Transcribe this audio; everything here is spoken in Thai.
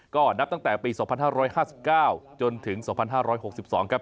ก็นับตั้งแต่ปี๒๕๕๙จนถึง๒๕๖๒ครับ